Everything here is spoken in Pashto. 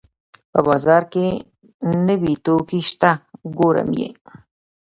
په بازار کې نوې توکي شته ګورم یې